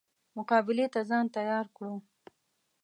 مقابلې ته ځان تیار کړو.